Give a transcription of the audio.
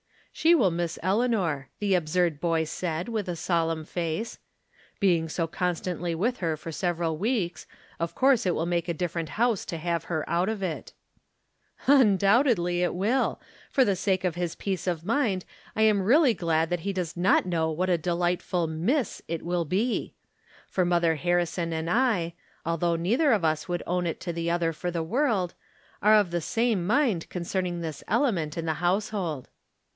" She will miss Eleanor," the absurd boy said, with a solemn face. " Being so constantly with her for several weeks, of course it will make a different house to have her out of it." Undoubtedly it will ! For the sake of his From Different Standpoints. 109 peace of mind I am really glad that he does not know what a delightful " miss " it will be ! For Mother Harrison and I, although neither of us would own it to the other for the world, are of the same mind concerning this element in the household.